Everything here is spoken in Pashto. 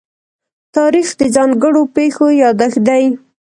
تاریخ د ځانګړو پېښو يادښت دی.